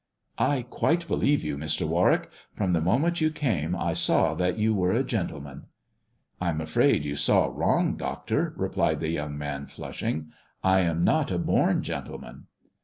" T quite believe you, Mr. Warwick. From the moment you came I saw that you were a gentleman." "I'm afraid you saw wrong, doctor," replied the young man, flushing. " I am not a born gentleman."